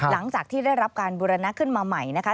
หลังจากที่ได้รับการบุรณะขึ้นมาใหม่นะคะ